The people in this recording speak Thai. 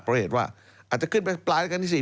เพราะเหตุว่าอาจจะขึ้นไปปลายรายการที่๔